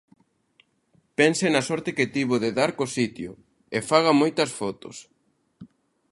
Pense na sorte que tivo de dar co sitio; e faga moitas fotos.